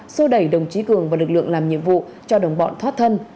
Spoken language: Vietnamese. xô đẩy đồng chí cường và lực lượng làm nhiệm vụ cho đồng bọn thoát thân